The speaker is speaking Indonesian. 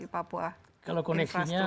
papua kalau koneksinya